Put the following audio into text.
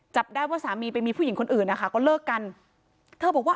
จับได้ว่าสามีไปมีผู้หญิงคนอื่นนะคะก็เลิกกันเธอบอกว่า